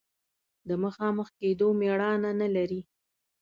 د مخامخ کېدو مېړانه نه لري.